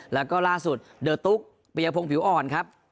แล้วก็ล่าสุดเดอร์ตุ๊กปียพงศ์ผิวอ่อนครับ